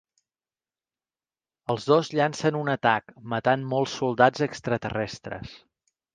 Els dos llancen un atac, matant molts soldats extraterrestres.